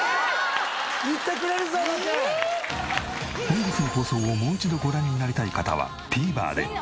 本日の放送をもう一度ご覧になりたい方はＴＶｅｒで。